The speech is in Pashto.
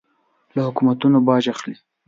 له حکومتونو باج اخلي.